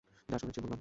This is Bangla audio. যা শুনেছি বললাম।